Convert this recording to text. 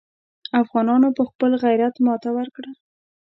افغانانو په خپل غیرت ماته ورکړه.